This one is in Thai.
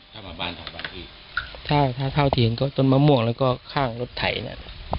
ถ้ามาบ้านถอดบ้านพี่ถ้าถ้าเที่ยงก็ต้นมะมวกแล้วก็ข้างรถไถน่ะ